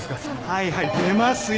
はいはい出ますよ。